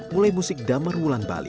mulai musik damar wulan bali